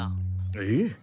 えっ？